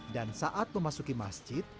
dan saat memasuki masjid